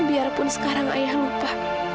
biarpun sekarang ayah lupa